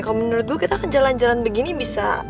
kalo menurut gue kita kan jalan jalan begini bisa